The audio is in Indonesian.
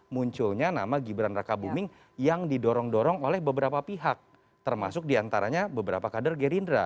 munculnya nama gibran raka buming yang didorong dorong oleh beberapa pihak termasuk diantaranya beberapa kader gerindra